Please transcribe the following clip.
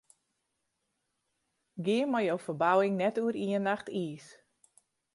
Gean mei jo ferbouwing net oer ien nacht iis.